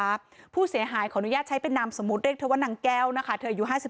คนร้ายก็ยอมปล่อยตัวผู้เสียหายแล้วก็ทำทีเป็นทุบตีผู้เสียหายและกรบเกลือนว่าเรื่องผัวเมียอย่ามายุ่ง